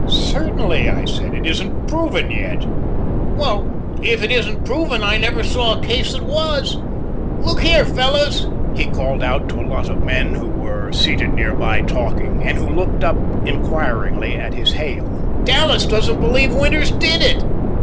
"Certainly," I said, "it isn't proven yet." "Well, if it isn't proven, I never saw a case that was." "Look here, fellows!" he called out to a lot of men who were seated nearby talking and who looked up inquiringly at his hail; "Dallas don't believe Winters did it."